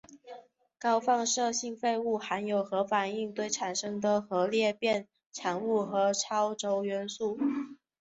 高放射性废物含有核反应堆产生的核裂变产物和超铀元素。